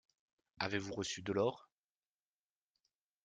Avez-vous reçu de l’or?